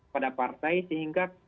pada partai sehingga